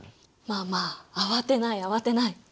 まあまあ慌てない慌てない。